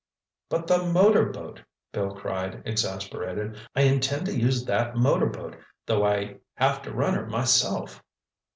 "But the motor boat," Bill cried, exasperated. "I intend to use that motor boat, though I have to run her myself."